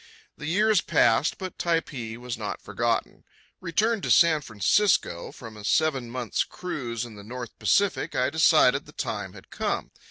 The years passed, but Typee was not forgotten. Returned to San Francisco from a seven months' cruise in the North Pacific, I decided the time had come.